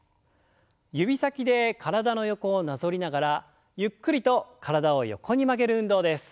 指先で体の横をなぞりながらゆっくりと体を横に曲げる運動です。